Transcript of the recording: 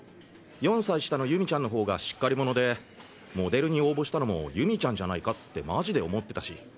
４歳下の祐美ちゃんの方がしっかり者でモデルに応募したのも祐美ちゃんじゃないかってマジで思ってたし。